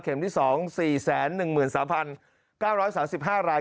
เข็มที่๒๔๑๓๙๓๕ราย